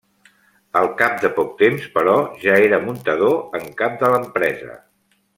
Al cap de poc temps, però, ja era muntador en cap de l’empresa.